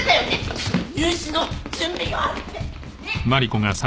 私入試の準備があってねえ！